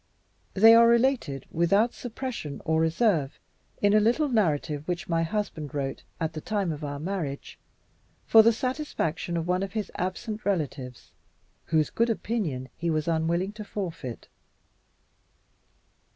They are related, without suppression or reserve, in a little narrative which my husband wrote, at the time of our marriage, for the satisfaction of one of his absent relatives, whose good opinion he was unwilling to forfeit.